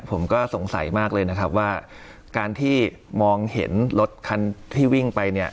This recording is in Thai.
ผมก็สงสัยมากเลยนะครับว่าการที่มองเห็นรถคันที่วิ่งไปเนี่ย